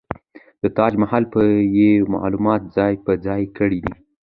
د تاج محل په يې معلومات ځاى په ځاى کړي دي.